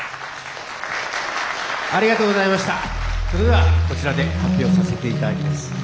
それではこちらで発表させていただきます。